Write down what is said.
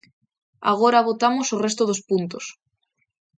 Agora votamos o resto dos puntos.